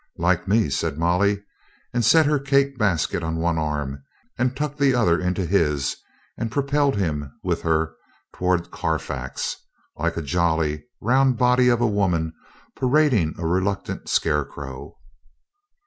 "Like me," said Molly, and set her cake basket on one arm and tucked the other into his and pro pelled him with her toward Carfax, like a jolly, round body of a woman parading a reluctant scare crow.